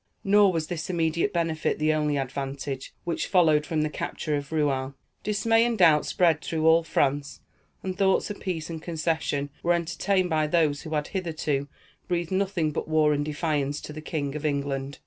Nor was this immediate benefit the only advantage which followed from the capture of Rouen. Dismay and doubt spread through all France, and thoughts of peace and concession were entertained by those who had hitherto breathed nothing but war and defiance to the King of England.